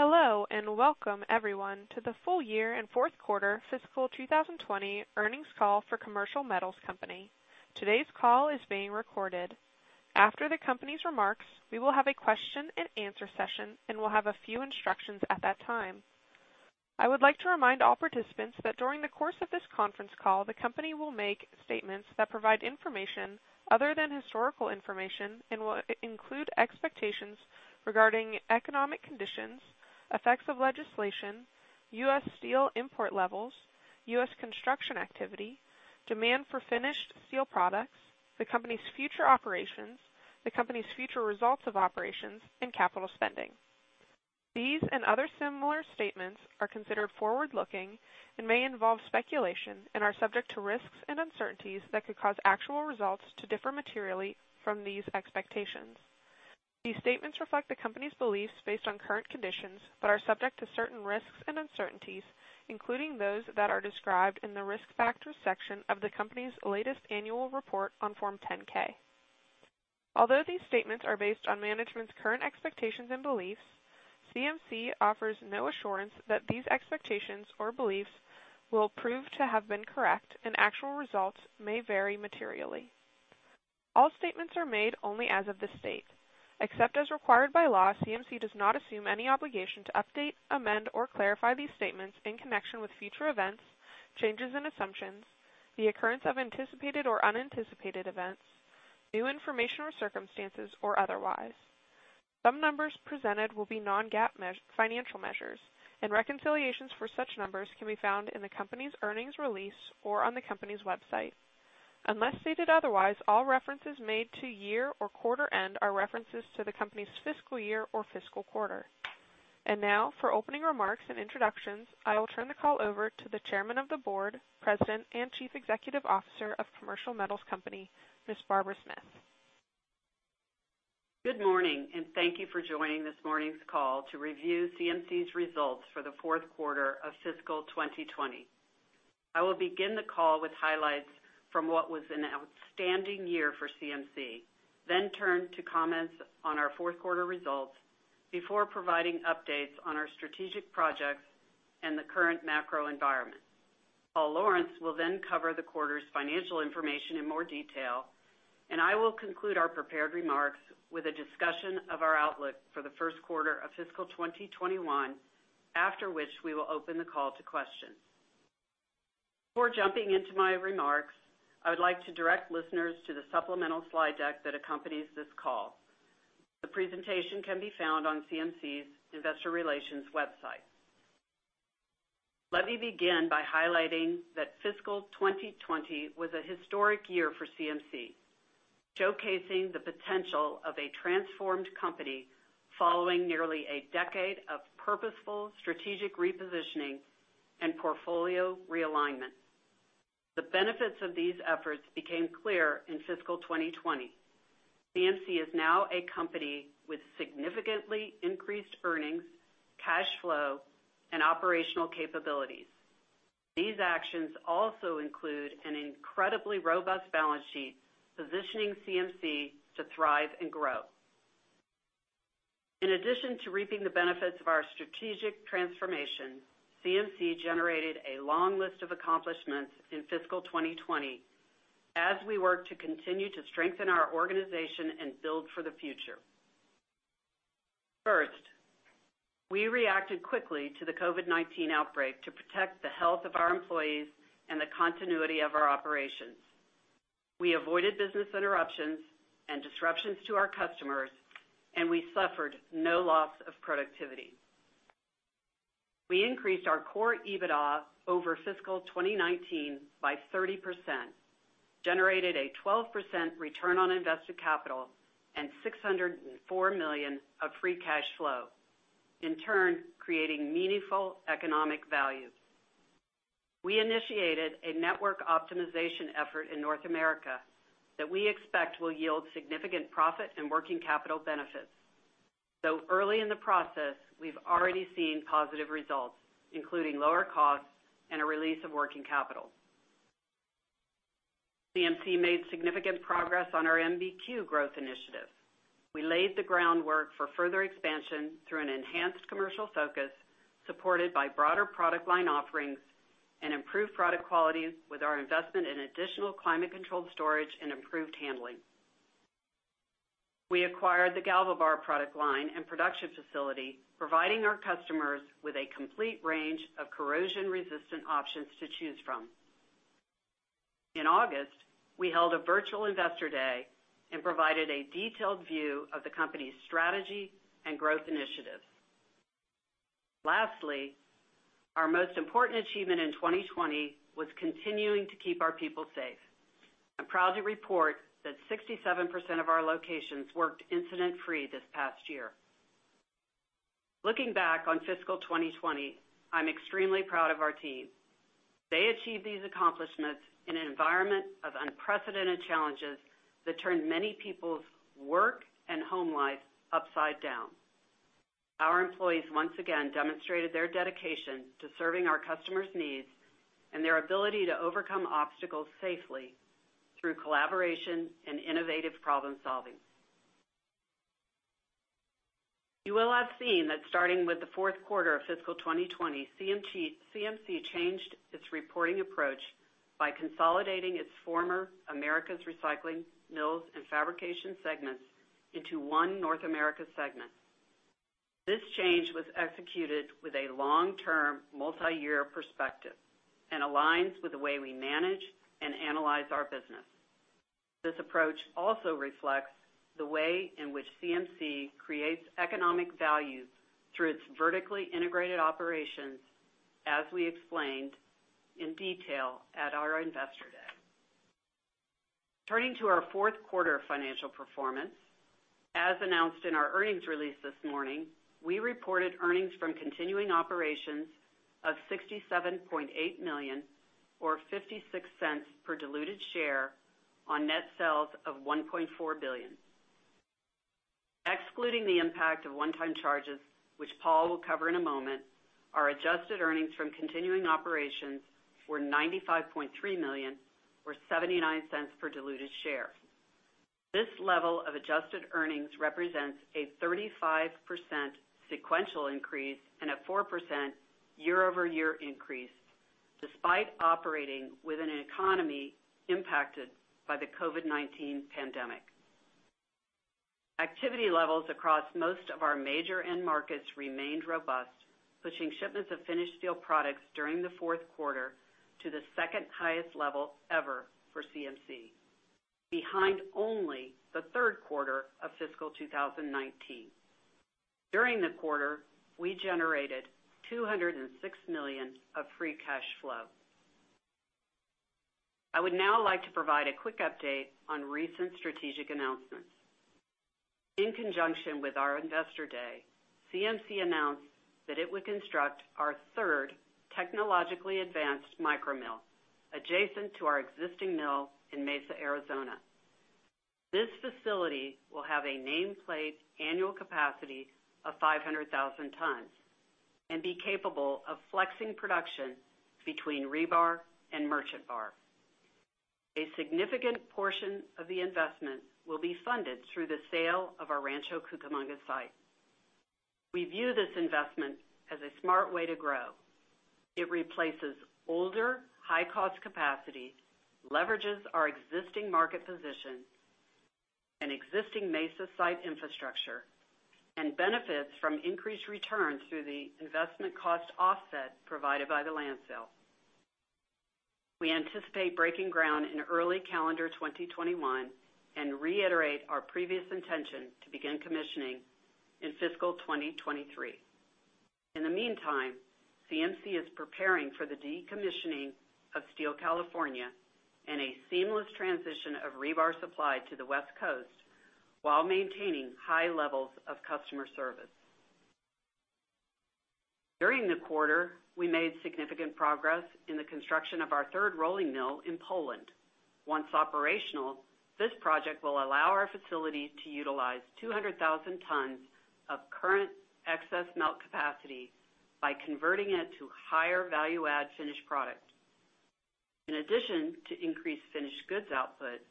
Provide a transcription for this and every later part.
Hello, and welcome, everyone, to the full year and fourth quarter fiscal 2020 earnings call for Commercial Metals Company. Today's call is being recorded. After the company's remarks, we will have a question and answer session and will have a few instructions at that time. I would like to remind all participants that during the course of this conference call, the company will make statements that provide information other than historical information and will include expectations regarding economic conditions, effects of legislation, U.S. steel import levels, U.S. construction activity, demand for finished steel products, the company's future operations, the company's future results of operations, and capital spending. These and other similar statements are considered forward-looking and may involve speculation and are subject to risks and uncertainties that could cause actual results to differ materially from these expectations. These statements reflect the company's beliefs based on current conditions, but are subject to certain risks and uncertainties, including those that are described in the Risk Factors section of the company's latest annual report on Form 10-K. Although these statements are based on management's current expectations and beliefs, CMC offers no assurance that these expectations or beliefs will prove to have been correct, and actual results may vary materially. All statements are made only as of this date. Except as required by law, CMC does not assume any obligation to update, amend, or clarify these statements in connection with future events, changes in assumptions, the occurrence of anticipated or unanticipated events, new information or circumstances, or otherwise. Some numbers presented will be non-GAAP financial measures, and reconciliations for such numbers can be found in the company's earnings release or on the company's website. Unless stated otherwise, all references made to year or quarter end are references to the company's fiscal year or fiscal quarter. Now for opening remarks and introductions, I will turn the call over to the Chairman of the Board, President, and Chief Executive Officer of Commercial Metals Company, Ms. Barbara Smith. Good morning, and thank you for joining this morning's call to review CMC's results for the fourth quarter of fiscal 2020. I will begin the call with highlights from what was an outstanding year for CMC, then turn to comments on our fourth quarter results before providing updates on our strategic projects and the current macro environment. Paul Lawrence will then cover the quarter's financial information in more detail, and I will conclude our prepared remarks with a discussion of our outlook for the first quarter of fiscal 2021, after which we will open the call to questions. Before jumping into my remarks, I would like to direct listeners to the supplemental slide deck that accompanies this call. The presentation can be found on CMC's investor relations website. Let me begin by highlighting that fiscal 2020 was a historic year for CMC, showcasing the potential of a transformed company following nearly a decade of purposeful strategic repositioning and portfolio realignment. The benefits of these efforts became clear in fiscal 2020. CMC is now a company with significantly increased earnings, cash flow, and operational capabilities. These actions also include an incredibly robust balance sheet, positioning CMC to thrive and grow. In addition to reaping the benefits of our strategic transformation, CMC generated a long list of accomplishments in fiscal 2020 as we work to continue to strengthen our organization and build for the future. First, we reacted quickly to the COVID-19 outbreak to protect the health of our employees and the continuity of our operations. We avoided business interruptions and disruptions to our customers, and we suffered no loss of productivity. We increased our Core EBITDA over fiscal 2019 by 30%, generated a 12% return on invested capital and $604 million of free cash flow, in turn creating meaningful economic value. We initiated a network optimization effort in North America that we expect will yield significant profit and working capital benefits. Though early in the process, we've already seen positive results, including lower costs and a release of working capital. CMC made significant progress on our MBQ growth initiative. We laid the groundwork for further expansion through an enhanced commercial focus, supported by broader product line offerings and improved product quality with our investment in additional climate-controlled storage and improved handling. We acquired the GalvaBar product line and production facility, providing our customers with a complete range of corrosion-resistant options to choose from. In August, we held a virtual Investor Day and provided a detailed view of the company's strategy and growth initiatives. Lastly, our most important achievement in 2020 was continuing to keep our people safe. I'm proud to report that 67% of our locations worked incident-free this past year. Looking back on fiscal 2020, I'm extremely proud of our team. They achieved these accomplishments in an environment of unprecedented challenges that turned many people's work and home life upside down. Our employees once again demonstrated their dedication to serving our customers' needs and their ability to overcome obstacles safely through collaboration and innovative problem-solving. You will have seen that starting with the fourth quarter of fiscal 2020, CMC changed its reporting approach by consolidating its former Americas Recycling, Americas Mills and Americas Fabrication segments into one North America segment. This change was executed with a long-term, multi-year perspective and aligns with the way we manage and analyze our business. This approach also reflects the way in which CMC creates economic value through its vertically integrated operations, as we explained in detail at our Investor Day. Turning to our fourth quarter financial performance, as announced in our earnings release this morning, we reported earnings from continuing operations of $67.8 million or $0.56 per diluted share on net sales of $1.4 billion. Excluding the impact of one-time charges, which Paul will cover in a moment, our adjusted earnings from continuing operations were $95.3 million or $0.79 per diluted share. This level of adjusted earnings represents a 35% sequential increase and a 4% year-over-year increase, despite operating with an economy impacted by the COVID-19 pandemic. Activity levels across most of our major end markets remained robust, pushing shipments of finished steel products during the fourth quarter to the second highest level ever for CMC, behind only the third quarter of fiscal 2019. During the quarter, we generated $206 million of free cash flow. I would now like to provide a quick update on recent strategic announcements. In conjunction with our Investor Day, CMC announced that it would construct our third technologically advanced micro mill adjacent to our existing mill in Mesa, Arizona. This facility will have a nameplate annual capacity of 500,000 tons and be capable of flexing production between rebar and merchant bar. A significant portion of the investment will be funded through the sale of our Rancho Cucamonga site. We view this investment as a smart way to grow. It replaces older, high-cost capacity, leverages our existing market position and existing Mesa site infrastructure, and benefits from increased returns through the investment cost offset provided by the land sale. We anticipate breaking ground in early calendar 2021 and reiterate our previous intention to begin commissioning in fiscal 2023. In the meantime, CMC is preparing for the decommissioning of Steel California and a seamless transition of rebar supply to the West Coast while maintaining high levels of customer service. During the quarter, we made significant progress in the construction of our third rolling mill in Poland. Once operational, this project will allow our facility to utilize 200,000 tons of current excess melt capacity by converting it to higher value-add finished product. In addition to increased finished goods output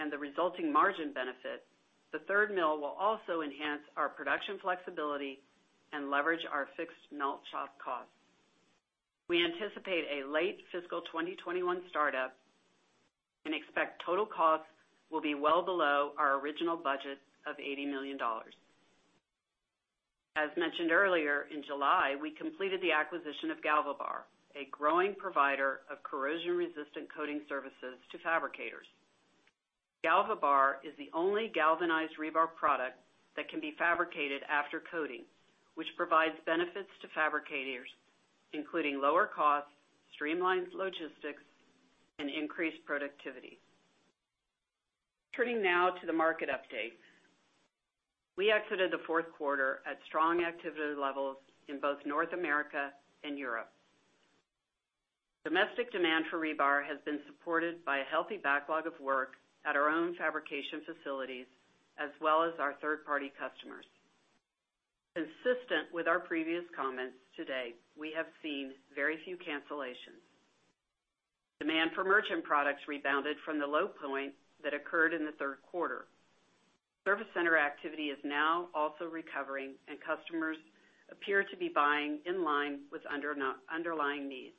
and the resulting margin benefit, the third mill will also enhance our production flexibility and leverage our fixed melt shop costs. We anticipate a late fiscal 2021 startup and expect total costs will be well below our original budget of $80 million. As mentioned earlier, in July, we completed the acquisition of GalvaBar, a growing provider of corrosion-resistant coating services to fabricators. GalvaBar is the only galvanized rebar product that can be fabricated after coating, which provides benefits to fabricators, including lower costs, streamlined logistics, and increased productivity. Turning now to the market update. We exited the fourth quarter at strong activity levels in both North America and Europe. Domestic demand for rebar has been supported by a healthy backlog of work at our own fabrication facilities, as well as our third-party customers. Consistent with our previous comments, to date, we have seen very few cancellations. Demand for merchant products rebounded from the low point that occurred in the third quarter. Service center activity is now also recovering, and customers appear to be buying in line with underlying needs.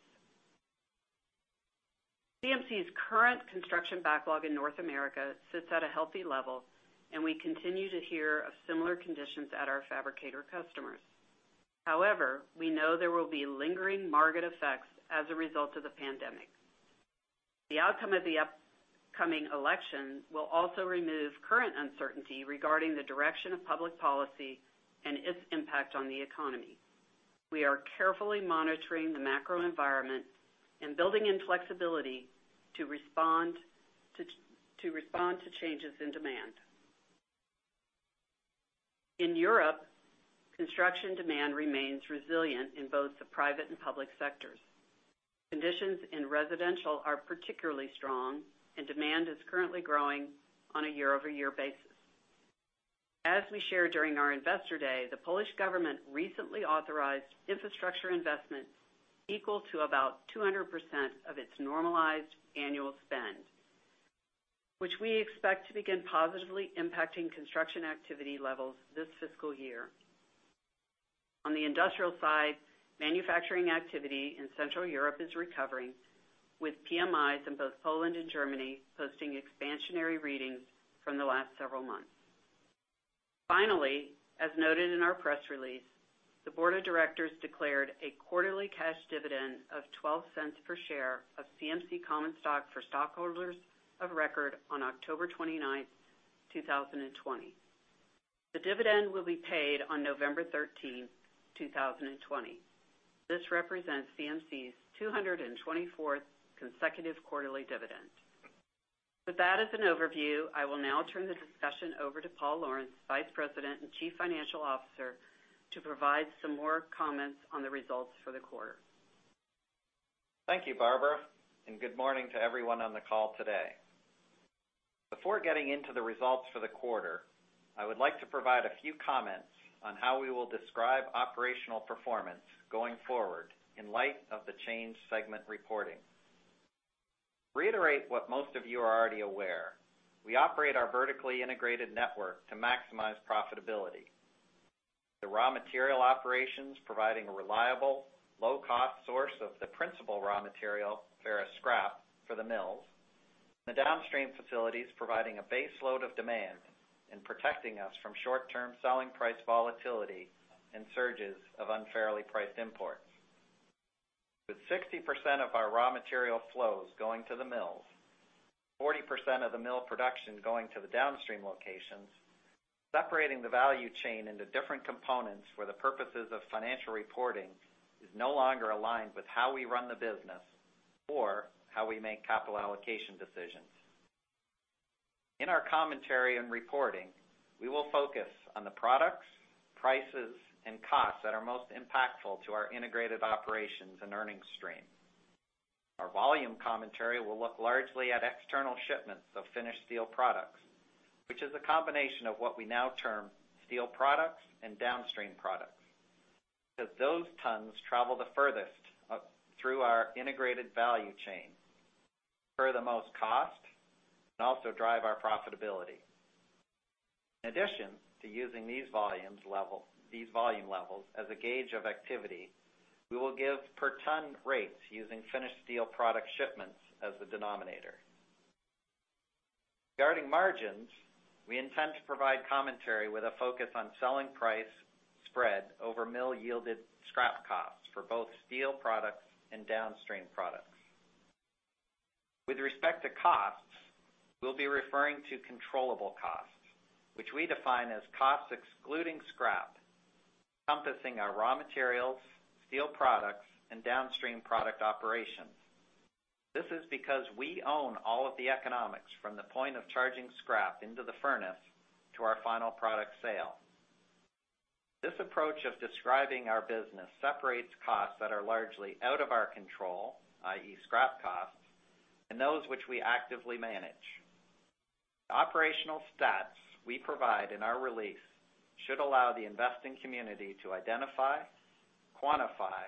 CMC's current construction backlog in North America sits at a healthy level, and we continue to hear of similar conditions at our fabricator customers. However, we know there will be lingering market effects as a result of the pandemic. The outcome of the upcoming election will also remove current uncertainty regarding the direction of public policy and its impact on the economy. We are carefully monitoring the macro environment and building in flexibility to respond to changes in demand. In Europe, construction demand remains resilient in both the private and public sectors. Conditions in residential are particularly strong, and demand is currently growing on a year-over-year basis. As we shared during our Investor Day, the Polish government recently authorized infrastructure investments equal to about 200% of its normalized annual spend, which we expect to begin positively impacting construction activity levels this fiscal year. On the industrial side, manufacturing activity in Central Europe is recovering, with PMIs in both Poland and Germany posting expansionary readings from the last several months. Finally, as noted in our press release, the board of directors declared a quarterly cash dividend of $0.12 per share of CMC common stock for stockholders of record on October 29, 2020. The dividend will be paid on November 13, 2020. This represents CMC's 224th consecutive quarterly dividend. With that as an overview, I will now turn the discussion over to Paul Lawrence, Vice President and Chief Financial Officer, to provide some more comments on the results for the quarter. Thank you, Barbara, and good morning to everyone on the call today. Before getting into the results for the quarter, I would like to provide a few comments on how we will describe operational performance going forward in light of the changed segment reporting. To reiterate what most of you are already aware, we operate our vertically integrated network to maximize profitability. The raw material operations providing a reliable, low-cost source of the principal raw material, ferrous scrap, for the mills. The downstream facilities providing a base load of demand in protecting us from short-term selling price volatility and surges of unfairly priced imports. With 60% of our raw material flows going to the mills, 40% of the mill production going to the downstream locations, separating the value chain into different components for the purposes of financial reporting is no longer aligned with how we run the business or how we make capital allocation decisions. In our commentary and reporting, we will focus on the products, prices, and costs that are most impactful to our integrated operations and earnings stream. Our volume commentary will look largely at external shipments of finished steel products, which is a combination of what we now term steel products and downstream products, because those tons travel the furthest through our integrated value chain, incur the most cost, and also drive our profitability. In addition to using these volume levels as a gauge of activity, we will give per-ton rates using finished steel product shipments as the denominator. Regarding margins, we intend to provide commentary with a focus on selling price spread over mill-yielded scrap costs for both steel products and downstream products. With respect to costs, we'll be referring to controllable costs, which we define as costs excluding scrap, encompassing our raw materials, steel products, and downstream product operations. This is because we own all of the economics from the point of charging scrap into the furnace to our final product sale. This approach of describing our business separates costs that are largely out of our control, i.e., scrap costs, and those which we actively manage. The operational stats we provide in our release should allow the investing community to identify, quantify,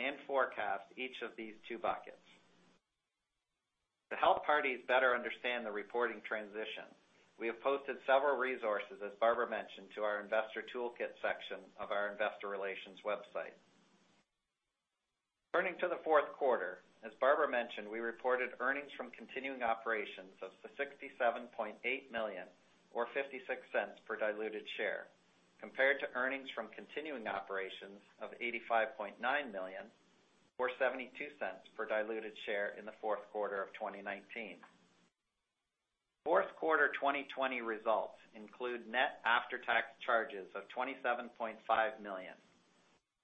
and forecast each of these two buckets. To help parties better understand the reporting transition, we have posted several resources, as Barbara mentioned, to our investor toolkit section of our investor relations website. Turning to the fourth quarter, as Barbara mentioned, we reported earnings from continuing operations of $67.8 million or $0.56 per diluted share, compared to earnings from continuing operations of $85.9 million or $0.72 per diluted share in the fourth quarter of 2019. Fourth quarter 2020 results include net after-tax charges of $27.5 million,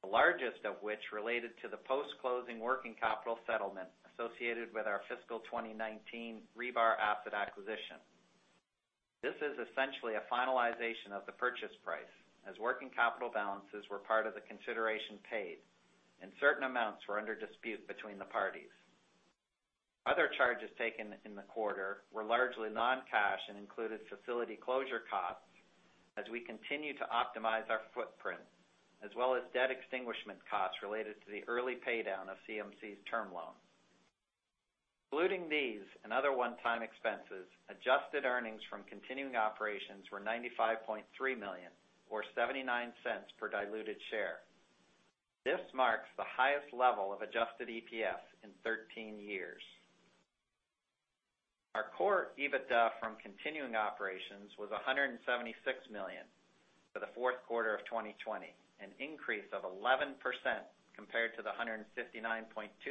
the largest of which related to the post-closing working capital settlement associated with our fiscal 2019 rebar asset acquisition. This is essentially a finalization of the purchase price, as working capital balances were part of the consideration paid, and certain amounts were under dispute between the parties. Other charges taken in the quarter were largely non-cash and included facility closure costs as we continue to optimize our footprint, as well as debt extinguishment costs related to the early paydown of CMC's term loan. Excluding these and other one-time expenses, adjusted earnings from continuing operations were $95.3 million or $0.79 per diluted share. This marks the highest level of adjusted EPS in 13 years. Our Core EBITDA from continuing operations was $176 million for the fourth quarter of 2020, an increase of 11% compared to the $159.2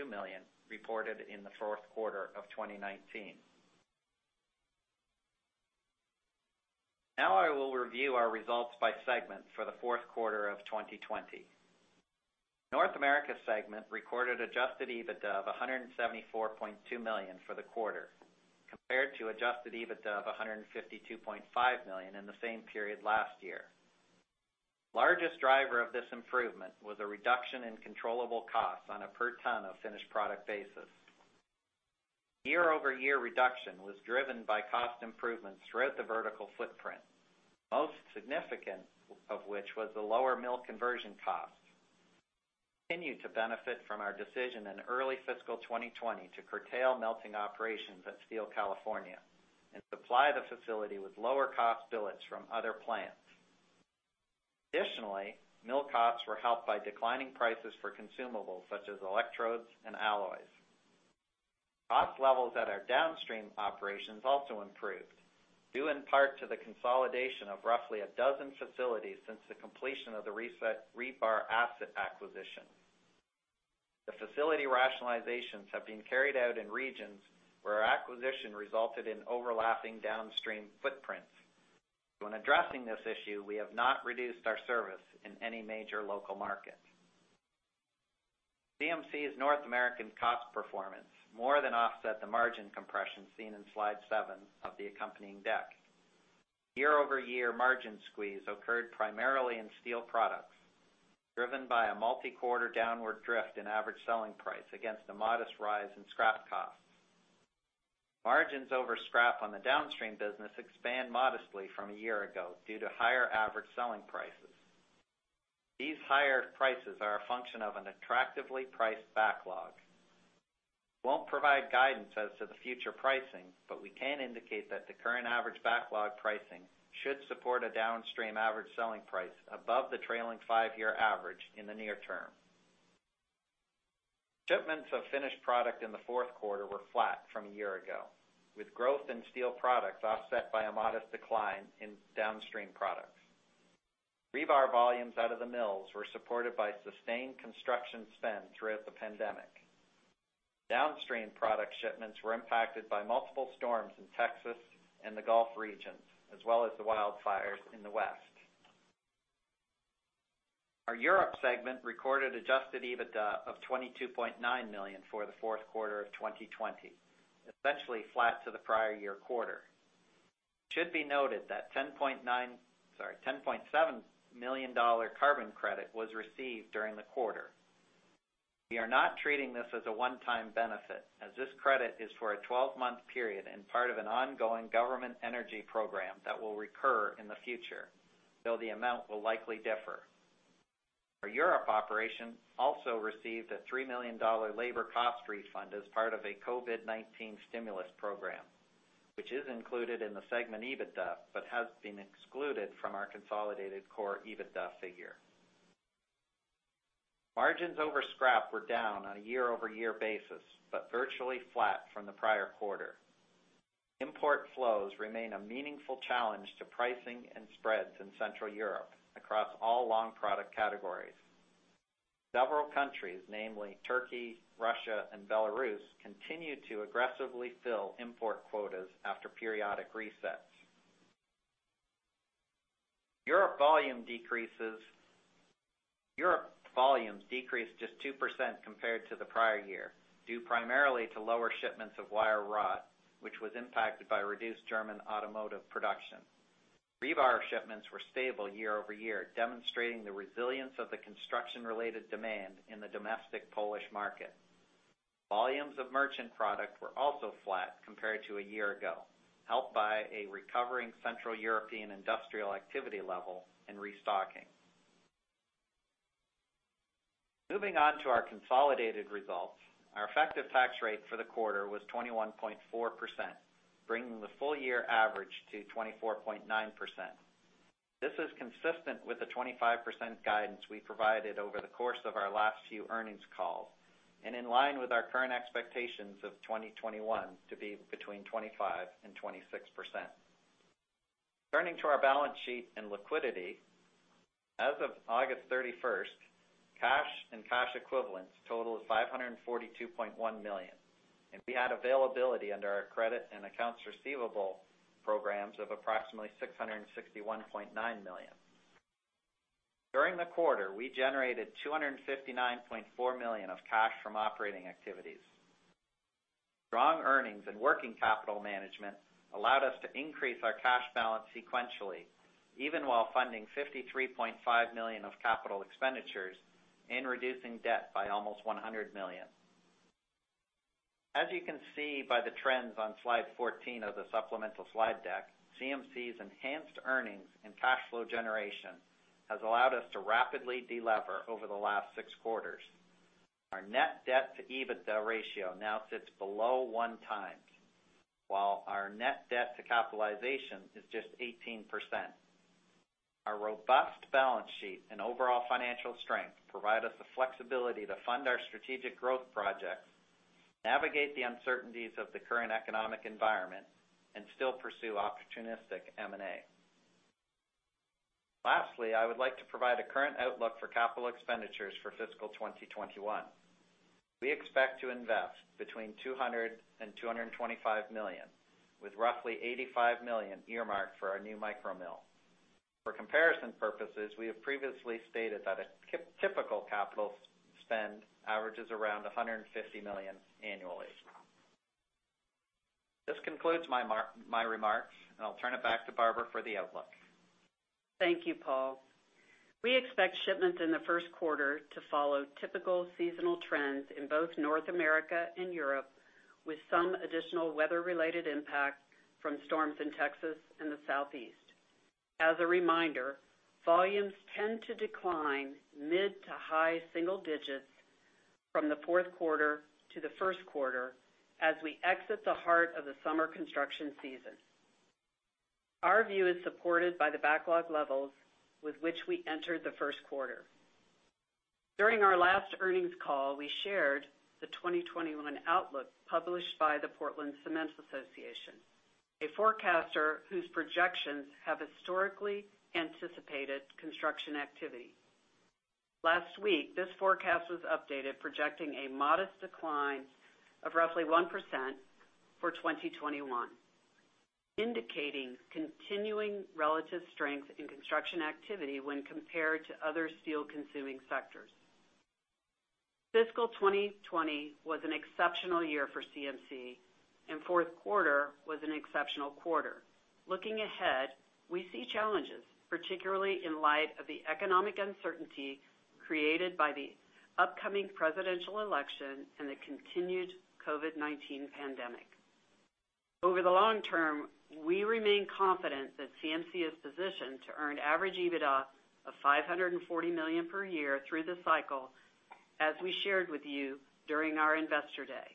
million reported in the fourth quarter of 2019. I will review our results by segment for the fourth quarter of 2020. North America segment recorded adjusted EBITDA of $174.2 million for the quarter, compared to adjusted EBITDA of $152.5 million in the same period last year. Largest driver of this improvement was a reduction in controllable costs on a per ton of finished product basis. Year-over-year reduction was driven by cost improvements throughout the vertical footprint, most significant of which was the lower mill conversion costs. Continued to benefit from our decision in early fiscal 2020 to curtail melting operations at Steel California and supply the facility with lower-cost billets from other plants. Additionally, mill costs were helped by declining prices for consumables such as electrodes and alloys. Cost levels at our downstream operations also improved, due in part to the consolidation of roughly a dozen facilities since the completion of the rebar asset acquisition. The facility rationalizations have been carried out in regions where our acquisition resulted in overlapping downstream footprints. When addressing this issue, we have not reduced our service in any major local market. CMC's North American cost performance more than offset the margin compression seen in slide seven of the accompanying deck. Year-over-year margin squeeze occurred primarily in steel products, driven by a multi-quarter downward drift in average selling price against a modest rise in scrap costs. Margins over scrap on the downstream business expand modestly from a year ago due to higher average selling prices. These higher prices are a function of an attractively priced backlog. Won't provide guidance as to the future pricing, we can indicate that the current average backlog pricing should support a downstream average selling price above the trailing five-year average in the near term. Shipments of finished product in the fourth quarter were flat from a year ago, with growth in steel products offset by a modest decline in downstream products. Rebar volumes out of the mills were supported by sustained construction spend throughout the pandemic. Downstream product shipments were impacted by multiple storms in Texas and the Gulf regions, as well as the wildfires in the West. Our Europe Segment recorded adjusted EBITDA of $22.9 million for the fourth quarter of 2020, essentially flat to the prior year quarter. It should be noted that $10.7 million carbon credit was received during the quarter. We are not treating this as a one-time benefit, as this credit is for a 12-month period and part of an ongoing government energy program that will recur in the future, though the amount will likely differ. Our Europe operation also received a $3 million labor cost refund as part of a COVID-19 stimulus program, which is included in the segment EBITDA but has been excluded from our consolidated Core EBITDA figure. Margins over scrap were down on a year-over-year basis, but virtually flat from the prior quarter. Import flows remain a meaningful challenge to pricing and spreads in Central Europe across all long product categories. Several countries, namely Turkey, Russia, and Belarus, continue to aggressively fill import quotas after periodic resets. Europe volumes decreased just 2% compared to the prior year, due primarily to lower shipments of wire rod, which was impacted by reduced German automotive production. Rebar shipments were stable year-over-year, demonstrating the resilience of the construction-related demand in the domestic Polish market. Volumes of merchant product were also flat compared to a year ago, helped by a recovering Central European industrial activity level and restocking. Moving on to our consolidated results. Our effective tax rate for the quarter was 21.4%, bringing the full year average to 24.9%. This is consistent with the 25% guidance we provided over the course of our last few earnings calls, and in line with our current expectations of 2021 to be between 25% and 26%. Turning to our balance sheet and liquidity, as of August 31st, cash and cash equivalents totaled $542.1 million, and we had availability under our credit and accounts receivable programs of approximately $661.9 million. During the quarter, we generated $259.4 million of cash from operating activities. Strong earnings and working capital management allowed us to increase our cash balance sequentially, even while funding $53.5 million of capital expenditures and reducing debt by almost $100 million. As you can see by the trends on slide 14 of the supplemental slide deck, CMC's enhanced earnings and cash flow generation has allowed us to rapidly de-lever over the last six quarters. Our net debt-to-EBITDA ratio now sits below 1x, while our net debt to capitalization is just 18%. Our robust balance sheet and overall financial strength provide us the flexibility to fund our strategic growth projects, navigate the uncertainties of the current economic environment, and still pursue opportunistic M&A. Lastly, I would like to provide a current outlook for capital expenditures for fiscal 2021. We expect to invest between $200 million and $225 million, with roughly $85 million earmarked for our new micro mill. For comparison purposes, we have previously stated that a typical capital spend averages around $150 million annually. This concludes my remarks, and I'll turn it back to Barbara for the outlook. Thank you, Paul. We expect shipments in the first quarter to follow typical seasonal trends in both North America and Europe, with some additional weather-related impact from storms in Texas and the Southeast. As a reminder, volumes tend to decline mid to high single digits from the fourth quarter to the first quarter as we exit the heart of the summer construction season. Our view is supported by the backlog levels with which we entered the first quarter. During our last earnings call, we shared the 2021 outlook published by the Portland Cement Association, a forecaster whose projections have historically anticipated construction activity. Last week, this forecast was updated, projecting a modest decline of roughly 1% for 2021, indicating continuing relative strength in construction activity when compared to other steel-consuming sectors. Fiscal 2020 was an exceptional year for CMC, and fourth quarter was an exceptional quarter. Looking ahead, we see challenges, particularly in light of the economic uncertainty created by the upcoming presidential election and the continued COVID-19 pandemic. Over the long term, we remain confident that CMC is positioned to earn average EBITDA of $540 million per year through the cycle, as we shared with you during our Investor Day.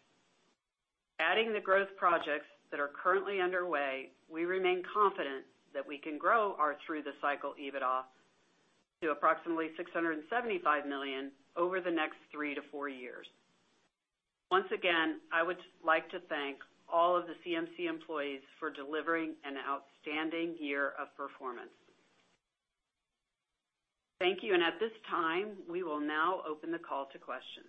Adding the growth projects that are currently underway, we remain confident that we can grow our through-the-cycle EBITDA to approximately $675 million over the next three to four years. Once again, I would like to thank all of the CMC employees for delivering an outstanding year of performance. Thank you, and at this time, we will now open the call to questions.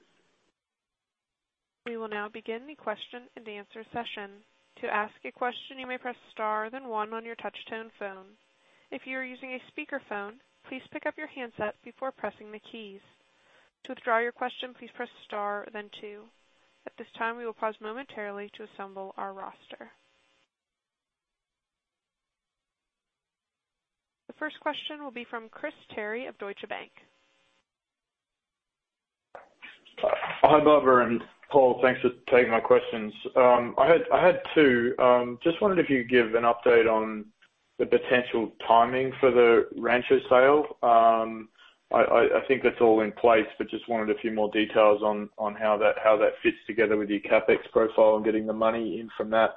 We will now begin the question and answer session. To ask a question, you may press star then one on your touch tone phone. If you are using a speakerphone, please pick up your handset before pressing the keys. To withdraw your question, please press star then two. At this time, we will pause momentarily to assemble our roster. The first question will be from Chris Terry of Deutsche Bank. Hi, Barbara and Paul. Thanks for taking my questions. I had two. Just wondered if you could give an update on the potential timing for the Rancho sale. I think that's all in place, but just wanted a few more details on how that fits together with your CapEx profile and getting the money in from that.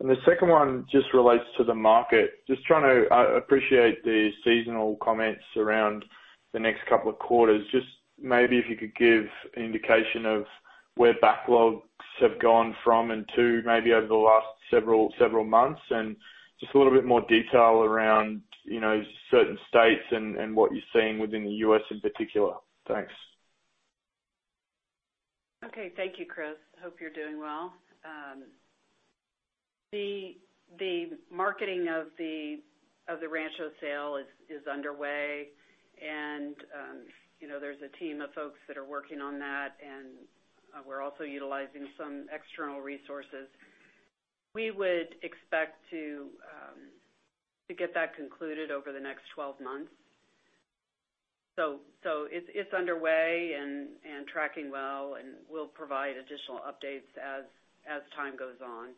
The second one just relates to the market. I appreciate the seasonal comments around the next couple of quarters. Just maybe if you could give an indication of where backlogs have gone from and to maybe over the last several months, and just a little bit more detail around certain states and what you're seeing within the U.S. in particular. Thanks. Okay. Thank you, Chris. Hope you're doing well. The marketing of the Rancho sale is underway and there's a team of folks that are working on that, and we're also utilizing some external resources. We would expect to get that concluded over the next 12 months. It's underway and tracking well, and we'll provide additional updates as time goes on.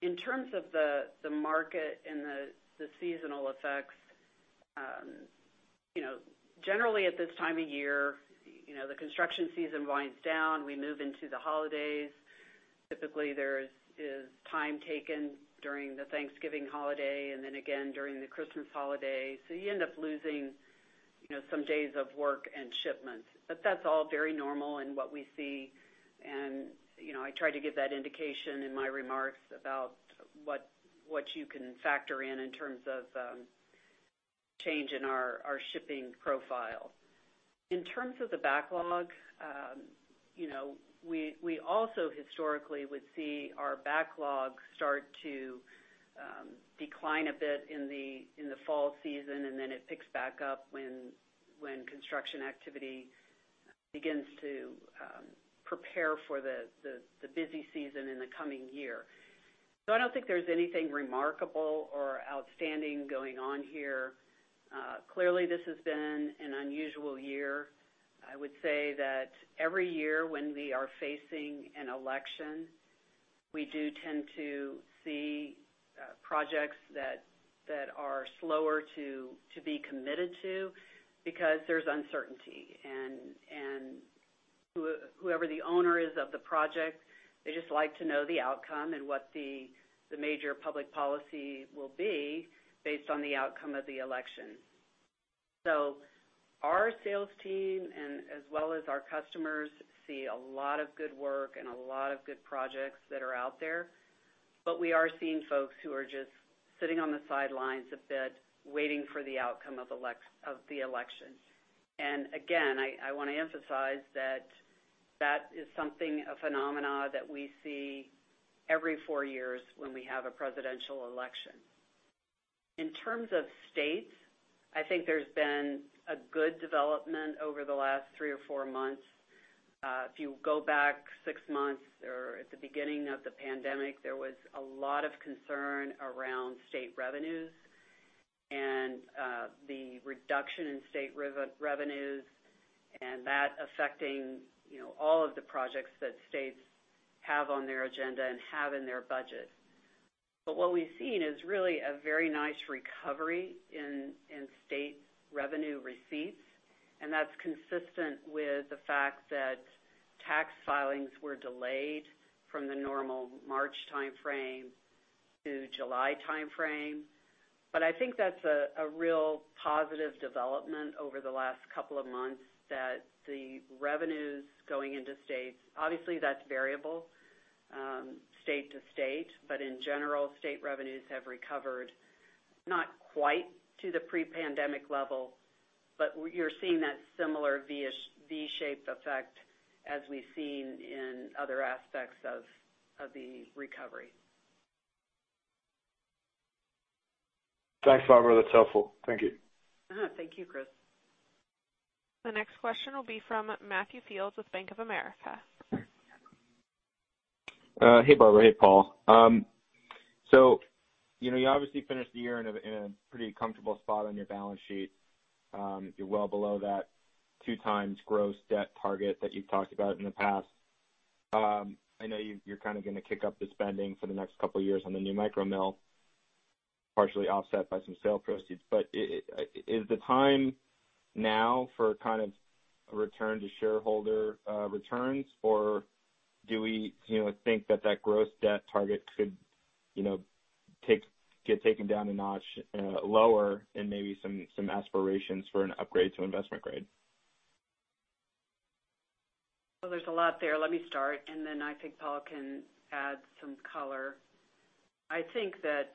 In terms of the market and the seasonal effects, generally at this time of year, the construction season winds down. We move into the holidays. Typically, there is time taken during the Thanksgiving holiday, and then again during the Christmas holiday. You end up losing some days of work and shipments. That's all very normal in what we see, and I tried to give that indication in my remarks about what you can factor in terms of change in our shipping profile. In terms of the backlog, we also historically would see our backlog start to decline a bit in the fall season, and then it picks back up when construction activity begins to prepare for the busy season in the coming year. I don't think there's anything remarkable or outstanding going on here. Clearly, this has been an unusual year. I would say that every year when we are facing an election, we do tend to see projects that are slower to be committed to because there's uncertainty, and whoever the owner is of the project, they just like to know the outcome and what the major public policy will be based on the outcome of the election. Our sales team, as well as our customers, see a lot of good work and a lot of good projects that are out there, but we are seeing folks who are just sitting on the sidelines a bit, waiting for the outcome of the election. And again, I want to emphasize that that is something, a phenomena that we see every four years when we have a presidential election. In terms of states, I think there's been a good development over the last three or four months. If you go back six months or at the beginning of the pandemic, there was a lot of concern around state revenues and the reduction in state revenues and that affecting all of the projects that states have on their agenda and have in their budget. What we've seen is really a very nice recovery in state revenue receipts, and that's consistent with the fact that tax filings were delayed from the normal March timeframe to July timeframe. I think that's a real positive development over the last couple of months that the revenues going into states. Obviously, that's variable state to state, but in general, state revenues have recovered not quite to the pre-pandemic level, but you're seeing that similar V-shaped effect as we've seen in other aspects of the recovery. Thanks, Barbara. That's helpful. Thank you. Thank you, Chris. The next question will be from Matthew Fields with Bank of America. Hey, Barbara. Hey, Paul. You obviously finished the year in a pretty comfortable spot on your balance sheet. You're well below that 2x gross debt target that you've talked about in the past. I know you're kind of going to kick up the spending for the next couple of years on the new micro mill, partially offset by some sale proceeds. Is the time now for kind of a return to shareholder returns, or do we think that that gross debt target could get taken down a notch lower and maybe some aspirations for an upgrade to investment grade? There's a lot there. Let me start, and then I think Paul can add some color. I think that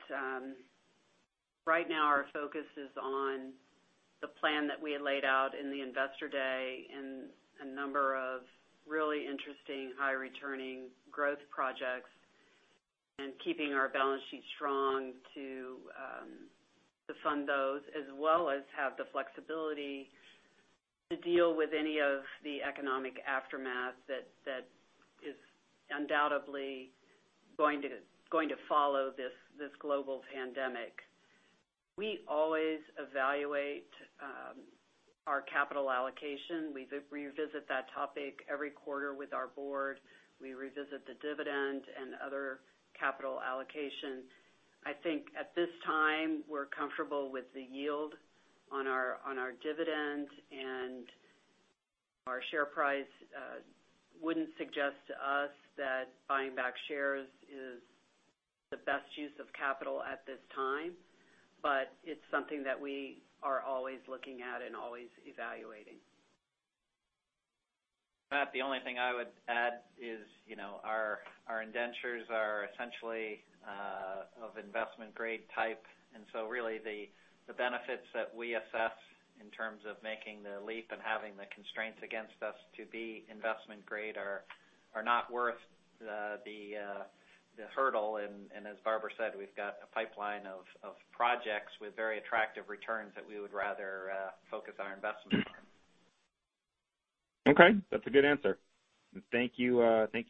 right now our focus is on the plan that we had laid out in the Investor Day and a number of really interesting high-returning growth projects and keeping our balance sheet strong to fund those, as well as have the flexibility to deal with any of the economic aftermath that is undoubtedly going to follow this global pandemic. We always evaluate our capital allocation. We revisit that topic every quarter with our board. We revisit the dividend and other capital allocation. I think at this time, we're comfortable with the yield on our dividend, and our share price wouldn't suggest to us that buying back shares is the best use of capital at this time. It's something that we are always looking at and always evaluating. Matt, the only thing I would add is our indentures are essentially of investment-grade type, and so really the benefits that we assess in terms of making the leap and having the constraints against us to be investment grade are not worth the hurdle. As Barbara said, we've got a pipeline of projects with very attractive returns that we would rather focus our investment on. Okay, that's a good answer. Thank you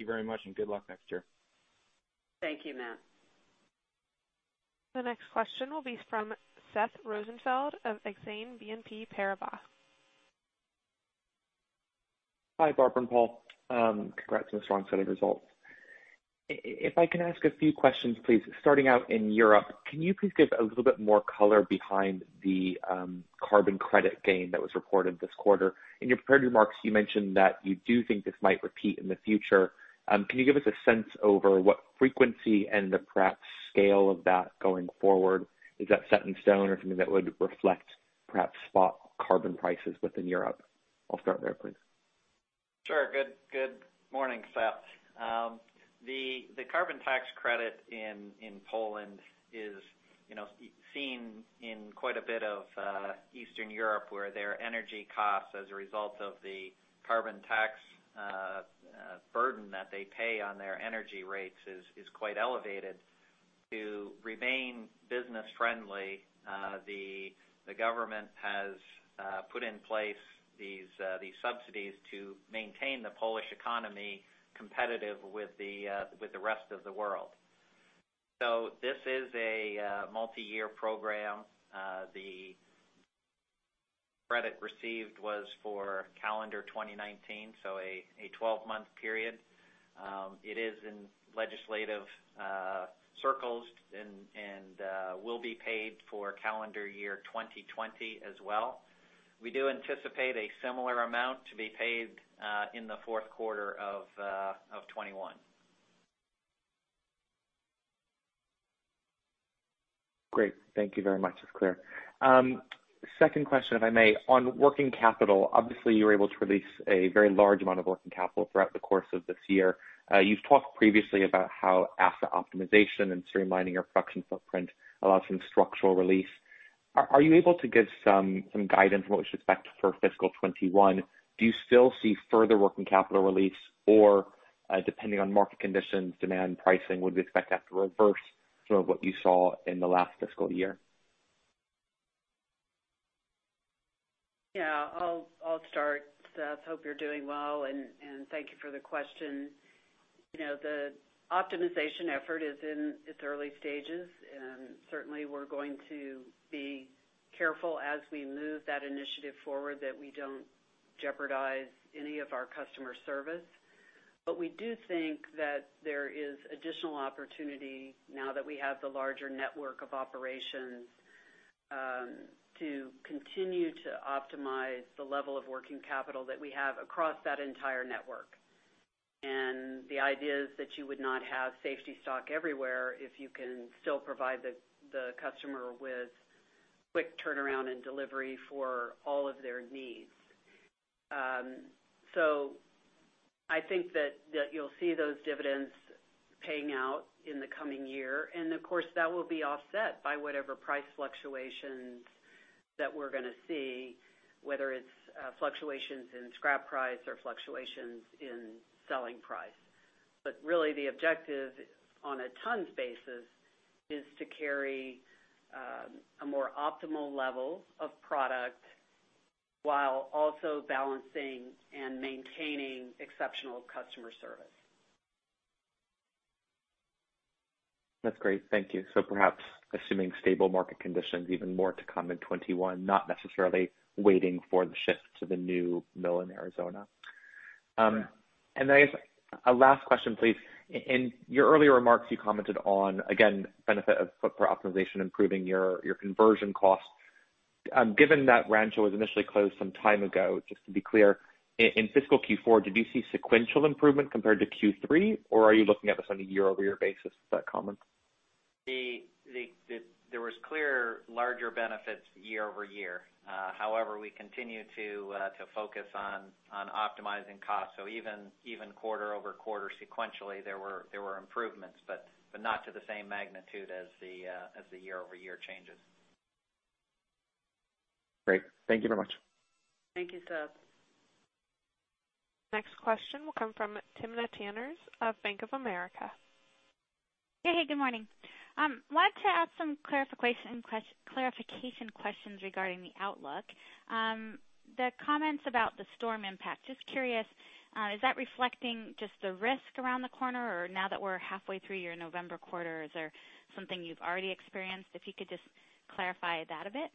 very much, and good luck next year. Thank you, Matt. The next question will be from Seth Rosenfeld of Exane BNP Paribas. Hi, Barbara and Paul. Congrats on the strong set of results. If I can ask a few questions, please. Starting out in Europe, can you please give a little bit more color behind the carbon credit gain that was reported this quarter? In your prepared remarks, you mentioned that you do think this might repeat in the future. Can you give us a sense over what frequency and the perhaps scale of that going forward? Is that set in stone or something that would reflect perhaps spot carbon prices within Europe? I'll start there, please. Sure. Good morning, Seth. The carbon tax credit in Poland is seen in quite a bit of Eastern Europe, where their energy costs as a result of the carbon tax burden that they pay on their energy rates is quite elevated. To remain business-friendly, the government has put in place these subsidies to maintain the Polish economy competitive with the rest of the world. This is a multi-year program. The credit received was for calendar 2019, so a 12-month period. It is in legislative circles and will be paid for calendar year 2020 as well. We do anticipate a similar amount to be paid in the fourth quarter of 2021. Great. Thank you very much. It's clear. Second question, if I may. On working capital, obviously, you were able to release a very large amount of working capital throughout the course of this year. You've talked previously about how asset optimization and streamlining your production footprint allows some structural release. Are you able to give some guidance on what we should expect for fiscal 2021? Do you still see further working capital release, or depending on market conditions, demand pricing, would we expect that to reverse from what you saw in the last fiscal year? Yeah. I'll start, Seth. Hope you're doing well, and thank you for the question. The optimization effort is in its early stages, and certainly, we're going to be careful as we move that initiative forward that we don't jeopardize any of our customer service. We do think that there is additional opportunity now that we have the larger network of operations, to continue to optimize the level of working capital that we have across that entire network. The idea is that you would not have safety stock everywhere if you can still provide the customer with quick turnaround and delivery for all of their needs. I think that you'll see those dividends paying out in the coming year. Of course, that will be offset by whatever price fluctuations that we're going to see, whether it's fluctuations in scrap price or fluctuations in selling price. Really the objective on a tons basis is to carry a more optimal level of product while also balancing and maintaining exceptional customer service. That's great. Thank you. Perhaps assuming stable market conditions, even more to come in 2021, not necessarily waiting for the shift to the new mill in Arizona. I guess a last question, please. In your earlier remarks, you commented on, again, benefit of footprint optimization, improving your conversion costs. Given that Rancho was initially closed some time ago, just to be clear, in fiscal Q4, did you see sequential improvement compared to Q3, or are you looking at this on a year-over-year basis? Is that common? There was clear larger benefits year-over-year. We continue to focus on optimizing costs. Even quarter-over-quarter sequentially, there were improvements, but not to the same magnitude as the year-over-year changes. Great. Thank you very much. Thank you, Seth. Next question will come from Timna Tanners of Bank of America. Hey. Good morning. I wanted to ask some clarification questions regarding the outlook. The comments about the storm impact, just curious, is that reflecting just the risk around the corner, or now that we're halfway through your November quarter, is there something you've already experienced? If you could just clarify that a bit.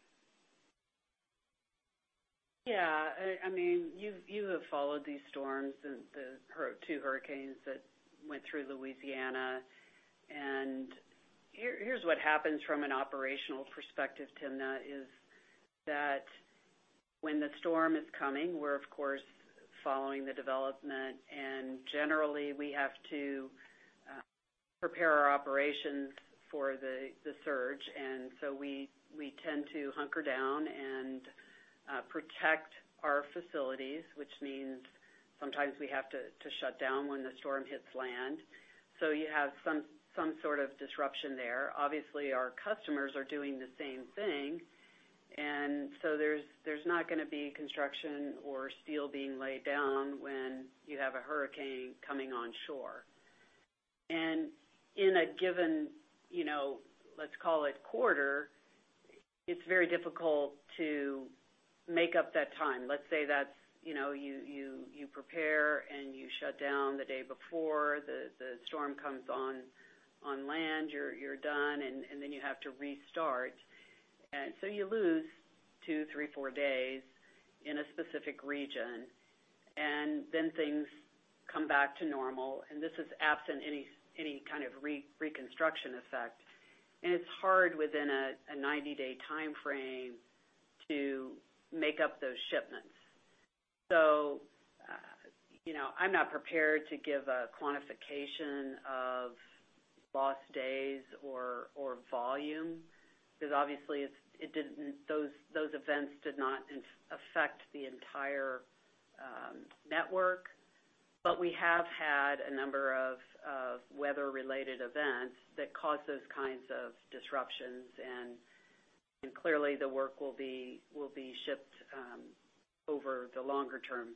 Yeah. You have followed these storms, the two hurricanes that went through Louisiana. Here's what happens from an operational perspective, Timna, is that when the storm is coming, we're of course following the development, and generally, we have to prepare our operations for the surge. We tend to hunker down and protect our facilities, which means sometimes we have to shut down when the storm hits land. You have some sort of disruption there. Obviously, our customers are doing the same thing, and so there's not going to be construction or steel being laid down when you have a hurricane coming on shore. In a given, let's call it quarter, it's very difficult to make up that time. Let's say that you prepare, and you shut down the day before the storm comes on land. You're done, and then you have to restart. You lose two, three, four days in a specific region, then things come back to normal, and this is absent any kind of reconstruction effect. It's hard within a 90-day timeframe to make up those shipments. I'm not prepared to give a quantification of lost days or volume, because obviously those events did not affect the entire network. We have had a number of weather-related events that cause those kinds of disruptions, and clearly the work will be shipped over the longer-term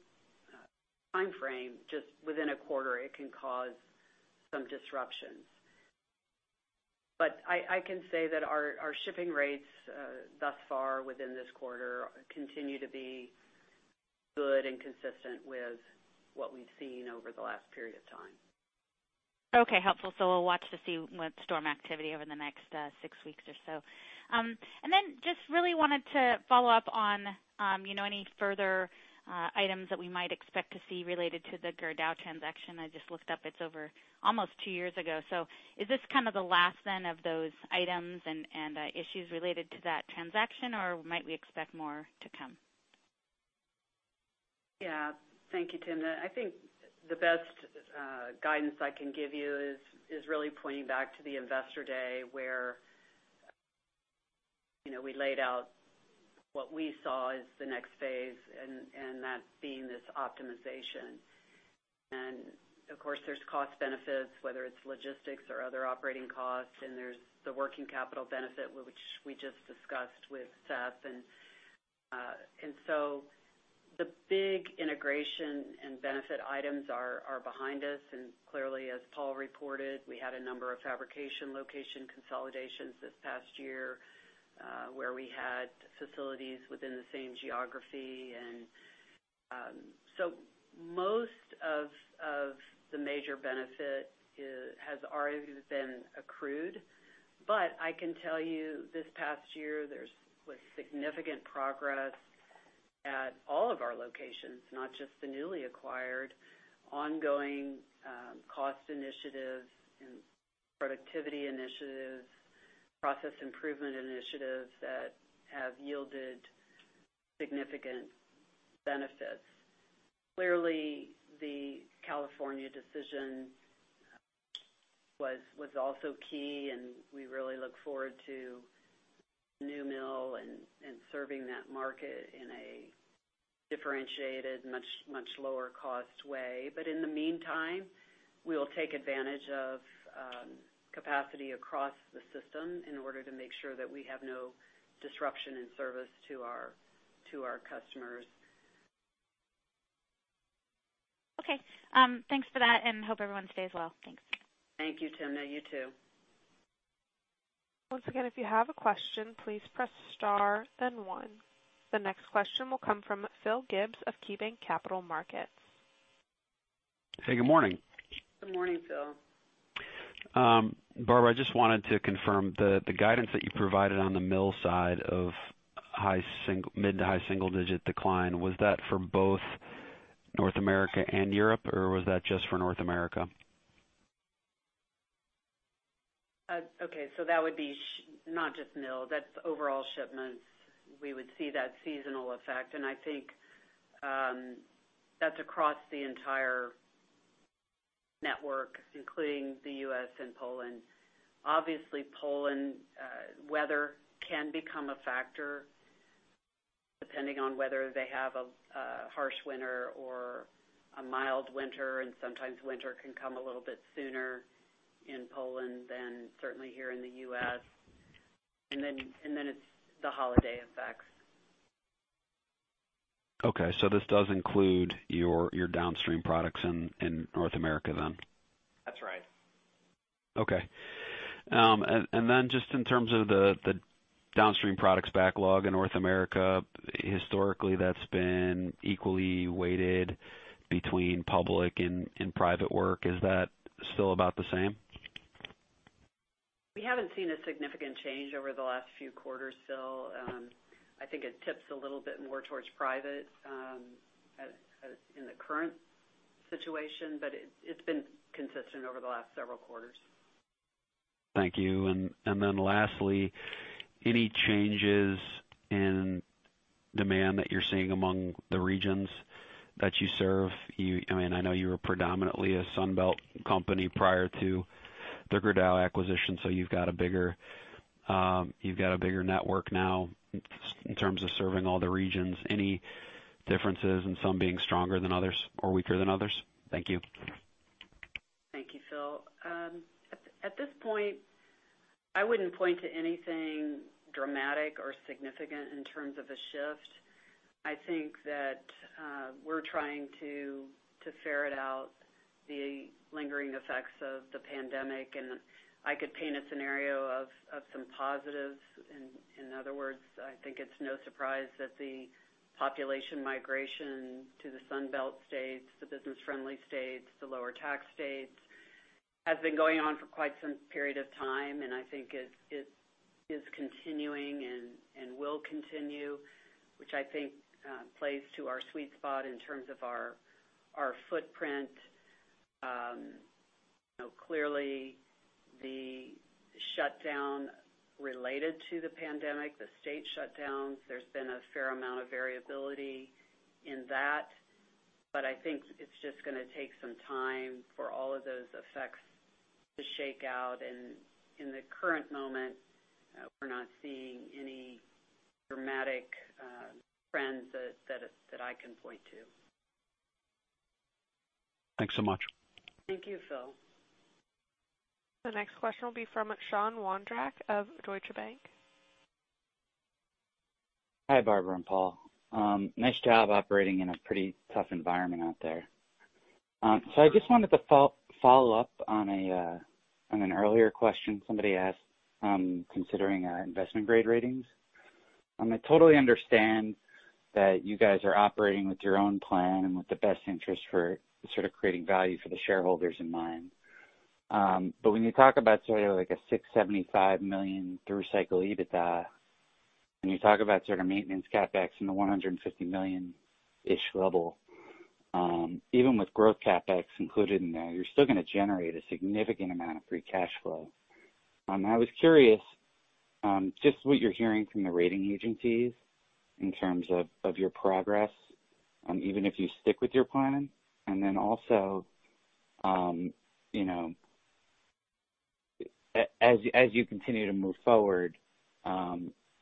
timeframe. Just within a quarter, it can cause some disruptions. I can say that our shipping rates thus far within this quarter continue to be good and consistent with what we've seen over the last period of time. Okay. Helpful. We'll watch to see storm activity over the next six weeks or so. Just really wanted to follow up on any further items that we might expect to see related to the Gerdau transaction. I just looked up, it's over almost two years ago. Is this kind of the last then of those items and issues related to that transaction, or might we expect more to come? Yeah. Thank you, Timna. I think the best guidance I can give you is really pointing back to the Investor Day where we laid out what we saw as the next phase, and that being this optimization. Of course, there's cost benefits, whether it's logistics or other operating costs, and there's the working capital benefit, which we just discussed with Seth. The big integration and benefit items are behind us. Clearly, as Paul reported, we had a number of fabrication location consolidations this past year where we had facilities within the same geography. Most of the major benefit has already been accrued. I can tell you this past year, there's been significant progress at all of our locations, not just the newly acquired, ongoing cost initiatives and productivity initiatives, process improvement initiatives that have yielded significant benefits. Clearly, the California decision was also key. We really look forward to the new mill and serving that market in a differentiated, much lower cost way. In the meantime, we will take advantage of capacity across the system in order to make sure that we have no disruption in service to our customers. Okay. Thanks for that, and hope everyone stays well. Thanks. Thank you, Timna. You too. Once again, if you have a question, please press star then one. The next question will come from Phil Gibbs of KeyBanc Capital Markets. Hey, good morning. Good morning, Phil. Barbara, I just wanted to confirm the guidance that you provided on the mill side of mid to high single-digit decline. Was that for both North America and Europe, or was that just for North America? That would be not just mill, that's overall shipments. We would see that seasonal effect, and I think that's across the entire network, including the U.S. and Poland. Obviously, Poland weather can become a factor depending on whether they have a harsh winter or a mild winter, and sometimes winter can come a little bit sooner in Poland than certainly here in the U.S. Then it's the holiday effects. Okay, this does include your downstream products in North America then? That's right. Okay. Just in terms of the downstream products backlog in North America, historically, that's been equally weighted between public and private work. Is that still about the same? We haven't seen a significant change over the last few quarters, Phil. I think it tips a little bit more towards private in the current situation, but it's been consistent over the last several quarters. Thank you. Lastly, any changes in demand that you're seeing among the regions that you serve? I know you were predominantly a Sun Belt company prior to the Gerdau acquisition, so you've got a bigger network now in terms of serving all the regions. Any differences in some being stronger than others or weaker than others? Thank you. Thank you, Phil. At this point, I wouldn't point to anything dramatic or significant in terms of a shift. I think that we're trying to ferret out the lingering effects of the pandemic, and I could paint a scenario of some positives. In other words, I think it's no surprise that the population migration to the Sun Belt states, the business-friendly states, the lower tax states, has been going on for quite some period of time, and I think it is continuing and will continue, which I think plays to our sweet spot in terms of our footprint. Clearly the shutdown related to the pandemic, the state shutdowns, there's been a fair amount of variability in that. I think it's just going to take some time for all of those effects to shake out. In the current moment, we're not seeing any dramatic trends that I can point to. Thanks so much. Thank you, Phil. The next question will be from Sean Wondrack of Deutsche Bank. Hi, Barbara and Paul. Nice job operating in a pretty tough environment out there. I just wanted to follow up on an earlier question somebody asked considering our investment grade ratings. I totally understand that you guys are operating with your own plan and with the best interest for sort of creating value for the shareholders in mind. When you talk about sort of like a $675 million through cycle EBITDA, and you talk about sort of maintenance CapEx in the $150 million-ish level, even with growth CapEx included in there, you're still going to generate a significant amount of free cash flow. I was curious just what you're hearing from the rating agencies in terms of your progress, even if you stick with your planning. Then also as you continue to move forward,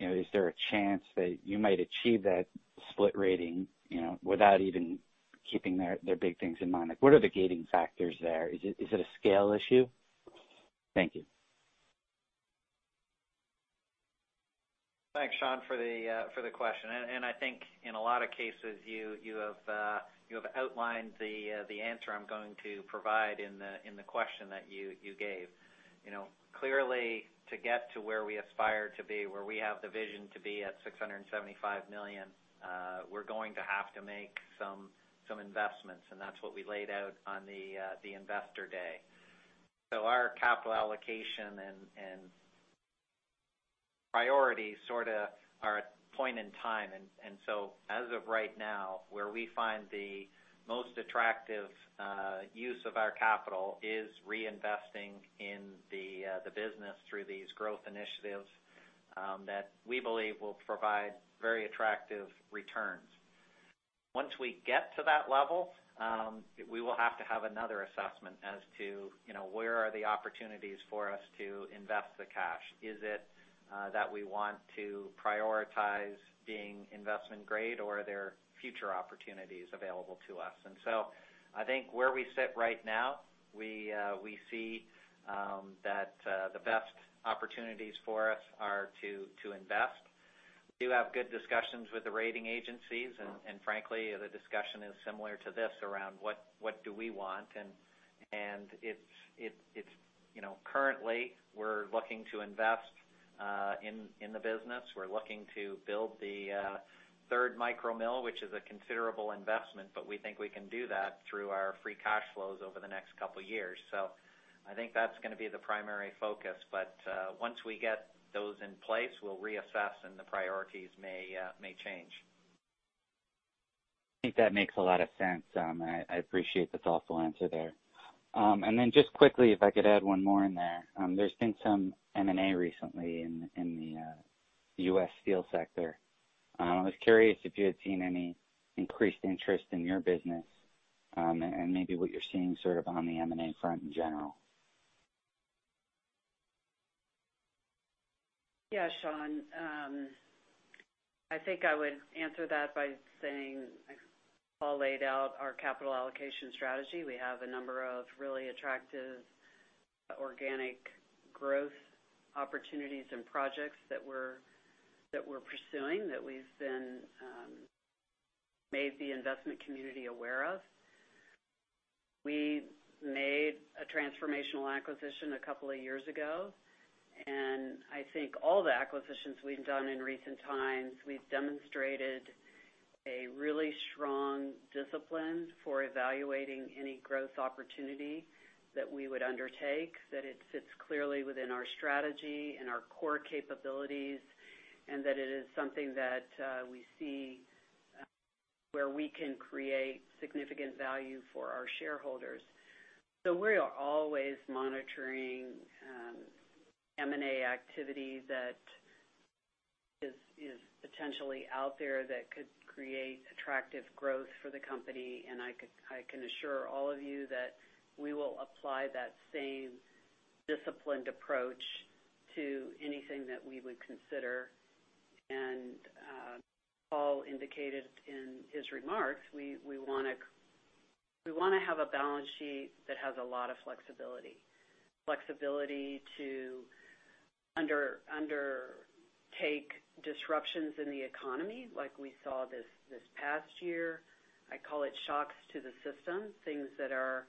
is there a chance that you might achieve that split rating without even keeping their big things in mind? What are the gating factors there? Is it a scale issue? Thank you. Thanks, Sean, for the question. I think in a lot of cases, you have outlined the answer I'm going to provide in the question that you gave. Clearly, to get to where we aspire to be, where we have the vision to be at $675 million, we're going to have to make some investments, and that's what we laid out on the Investor Day. Our capital allocation and priorities sort of are a point in time. As of right now, where we find the most attractive use of our capital is reinvesting in the business through these growth initiatives that we believe will provide very attractive returns. Once we get to that level, we will have to have another assessment as to where are the opportunities for us to invest the cash. Is it that we want to prioritize being investment-grade, or are there future opportunities available to us? I think where we sit right now, we see that the best opportunities for us are to invest. We do have good discussions with the rating agencies, and frankly, the discussion is similar to this, around what do we want. Currently, we're looking to invest in the business. We're looking to build the third micro mill, which is a considerable investment, but we think we can do that through our free cash flows over the next couple of years. I think that's going to be the primary focus. Once we get those in place, we'll reassess, and the priorities may change. I think that makes a lot of sense. I appreciate the thoughtful answer there. Just quickly, if I could add one more in there. There's been some M&A recently in the U.S. steel sector. I was curious if you had seen any increased interest in your business, and maybe what you're seeing sort of on the M&A front in general. Yeah, Sean. I think I would answer that by saying, Paul laid out our capital allocation strategy. We have a number of really attractive organic growth opportunities and projects that we're pursuing, that we've then made the investment community aware of. We made a transformational acquisition a couple of years ago, and I think all the acquisitions we've done in recent times, we've demonstrated a really strong discipline for evaluating any growth opportunity that we would undertake, that it fits clearly within our strategy and our core capabilities, and that it is something that we see where we can create significant value for our shareholders. We are always monitoring M&A activity that is potentially out there that could create attractive growth for the company. I can assure all of you that we will apply that same disciplined approach to anything that we would consider. Paul indicated in his remarks, we want to have a balance sheet that has a lot of flexibility. Flexibility to undertake disruptions in the economy, like we saw this past year. I call it shocks to the system, things that are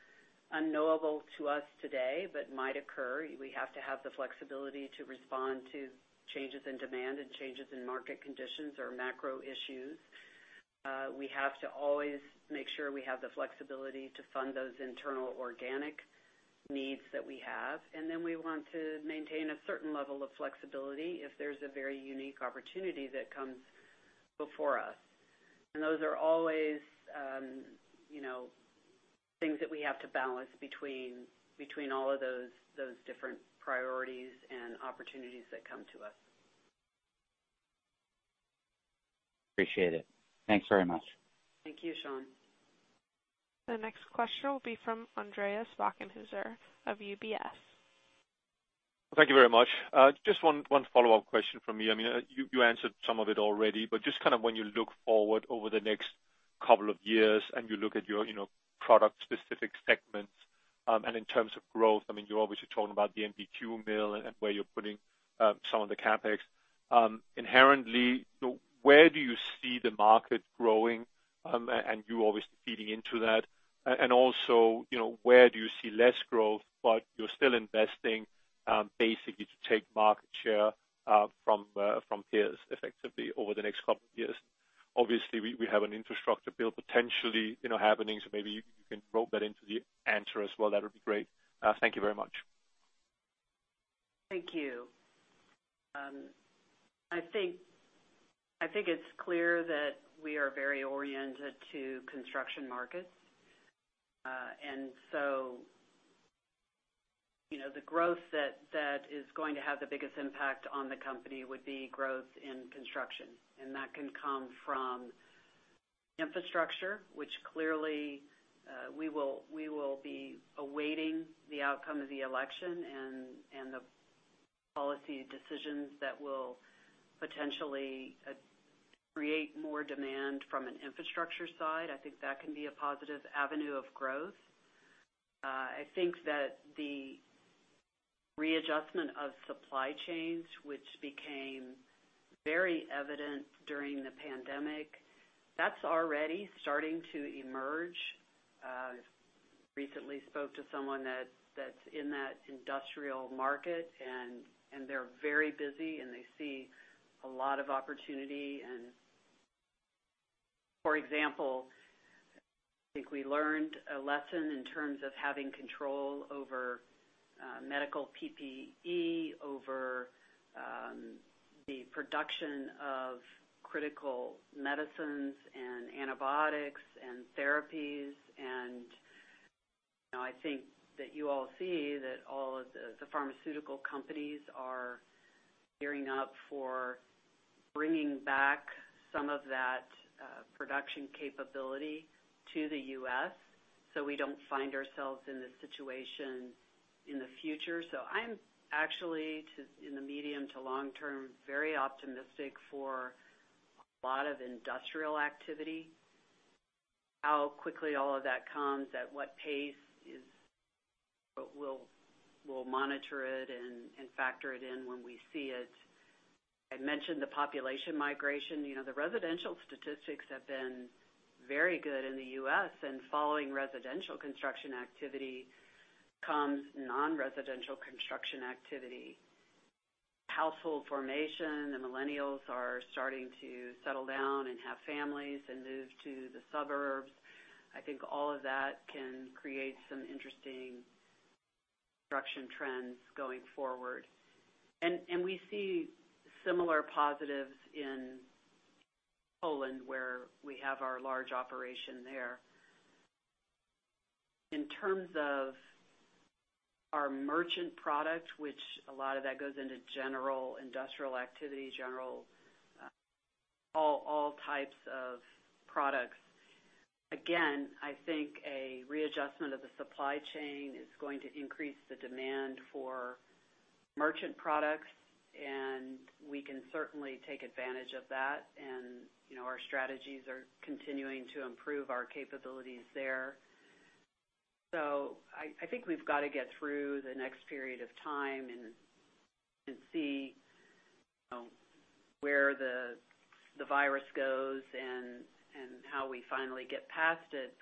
unknowable to us today but might occur. We have to have the flexibility to respond to changes in demand and changes in market conditions or macro issues. We have to always make sure we have the flexibility to fund those internal organic needs that we have. Then we want to maintain a certain level of flexibility if there's a very unique opportunity that comes before us. Those are always things that we have to balance between all of those different priorities and opportunities that come to us. Appreciate it. Thanks very much. Thank you, Sean. The next question will be from Andreas Bokkenheuser of UBS. Thank you very much. Just one follow-up question from me. You answered some of it already, but just kind of when you look forward over the next couple of years and you look at your product-specific segments, and in terms of growth, you're obviously talking about the MBQ mill and where you're putting some of the CapEx. Inherently, where do you see the market growing, and you obviously feeding into that? Also, where do you see less growth, but you're still investing, basically to take market share from peers effectively over the next couple of years? Obviously, we have an infrastructure build potentially happening, so maybe you can throw that into the answer as well. That would be great. Thank you very much. Thank you. I think it's clear that we are very oriented to construction markets. The growth that is going to have the biggest impact on the company would be growth in construction. That can come from infrastructure, which clearly, we will be awaiting the outcome of the election and the policy decisions that will potentially create more demand from an infrastructure side. I think that can be a positive avenue of growth. I think that the readjustment of supply chains, which became very evident during the pandemic, that's already starting to emerge. I recently spoke to someone that's in that industrial market, and they're very busy, and they see a lot of opportunity. For example, I think we learned a lesson in terms of having control over medical PPE, over the production of critical medicines and antibiotics and therapies. I think that you all see that all of the pharmaceutical companies are gearing up for bringing back some of that production capability to the U.S. so we don't find ourselves in this situation in the future. I'm actually, in the medium to long term, very optimistic for a lot of industrial activity. How quickly all of that comes, at what pace is what we'll monitor it and factor it in when we see it. I mentioned the population migration. The residential statistics have been very good in the U.S., and following residential construction activity comes non-residential construction activity. Household formation, the millennials are starting to settle down and have families and move to the suburbs. I think all of that can create some interesting production trends going forward. We see similar positives in Poland, where we have our large operation there. In terms of our merchant bar, which a lot of that goes into general industrial activity, all types of products. Again, I think a readjustment of the supply chain is going to increase the demand for merchant bar, and we can certainly take advantage of that. Our strategies are continuing to improve our capabilities there. I think we've got to get through the next period of time and see where the COVID-19 goes and how we finally get past it.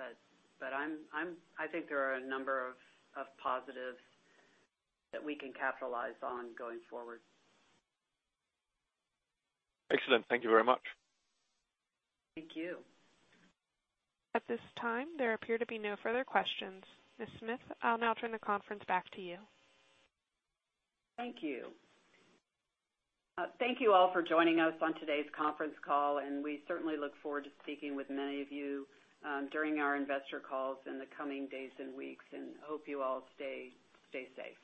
I think there are a number of positives that we can capitalize on going forward. Excellent. Thank you very much. Thank you. At this time, there appear to be no further questions. Ms. Smith, I'll now turn the conference back to you. Thank you. Thank you all for joining us on today's conference call, and we certainly look forward to speaking with many of you during our investor calls in the coming days and weeks, and hope you all stay safe.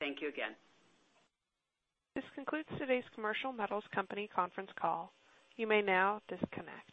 Thank you again. This concludes today's Commercial Metals Company conference call. You may now disconnect.